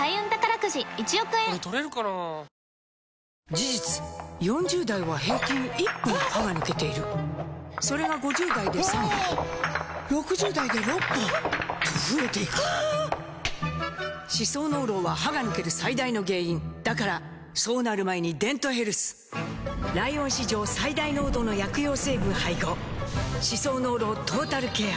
事実４０代は平均１本歯が抜けているそれが５０代で３本６０代で６本と増えていく歯槽膿漏は歯が抜ける最大の原因だからそうなる前に「デントヘルス」ライオン史上最大濃度の薬用成分配合歯槽膿漏トータルケア！